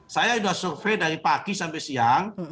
saya sudah survei dari pagi sampai siang